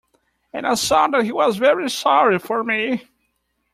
And I saw that he was very sorry for me.